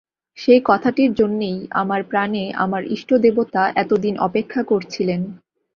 সেই কথাটির জন্যেই আমার প্রাণে আমার ইষ্টদেবতা এত দিন অপেক্ষা করছিলেন।